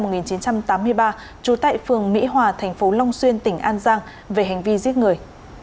hải sinh năm một nghìn chín trăm tám mươi ba trú tại phường mỹ hòa thành phố long xuyên tỉnh an giang về hành vi giết người